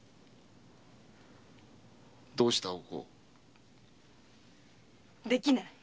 どうしたお甲？できない。